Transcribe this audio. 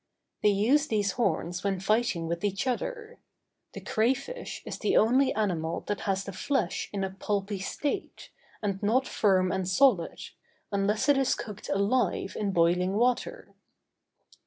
They use these horns when fighting with each other. The cray fish is the only animal that has the flesh in a pulpy state, and not firm and solid, unless it is cooked alive in boiling water.